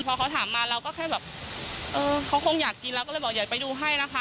พอเขาถามมาเราก็แค่แบบเออเขาคงอยากกินเราก็เลยบอกอยากไปดูให้นะคะ